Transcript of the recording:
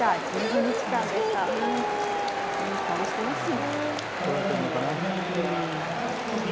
いい顔してますよ。